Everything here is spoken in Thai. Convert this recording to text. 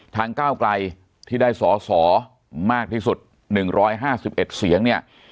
ก้าวไกลที่ได้สอสอมากที่สุด๑๕๑เสียงเนี่ย